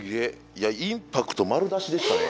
いやインパクト丸出しでしたね。